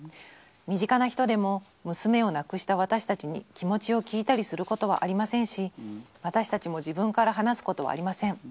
身近な人でも娘を亡くした私たちに気持ちを聞いたりすることはありませんし私たちも自分から話すことはありません。